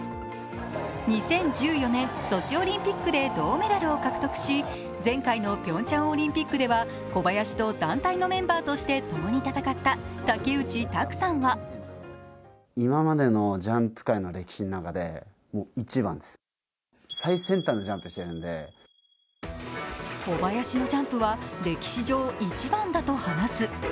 ２０１４年ソチオリンピックで銅メダルを獲得し、前回のピョンチャンオリンピックでは小林と団体のメンバーとして共に戦った竹内択さんは小林のジャンプは歴史上、１番だと話す。